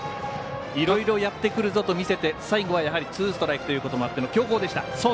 いろいろやってくるぞと見せてやはり最後はツーストライクということもあっての強硬でした。